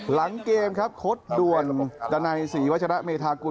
หลังเกมครับโค้ดด่วนดันัยศรีวัชระเมธากุล